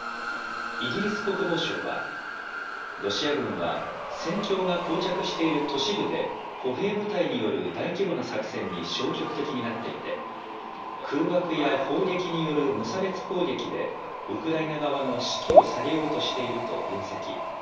イギリス国防省は、ロシア軍は、戦況がこう着している都市部で、歩兵部隊による大規模な作戦に消極的になっていて、空爆や砲撃による無差別攻撃で、ウクライナ側の士気を下げようとしていると分析。